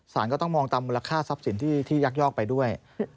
ก็ต้องมองตามมูลค่าทรัพย์สินที่ยักยอกไปด้วย